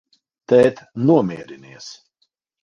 Tēt, nomierinies!